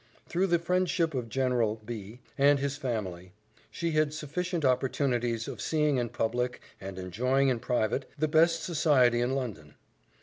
Through the friendship of General B and his family, she had sufficient opportunities of seeing in public, and enjoying in private, the best society in London.